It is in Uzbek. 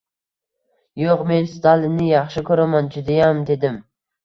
— Yo’q, men Stalinni yaxshi ko’raman, judayam… – dedim